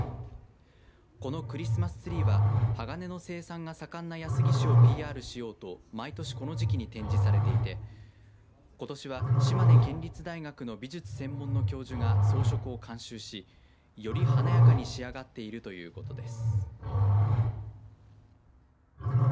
このクリスマスツリーは鋼の生産が盛んな安来市をＰＲしようと毎年、この時期に展示されていてことしは島根県立大学の美術専門の教授が装飾を監修し、より華やかに仕上がっているということです。